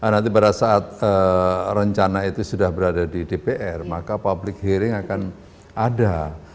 nanti pada saat rencana itu sudah berada di dpr maka public hearing akan ada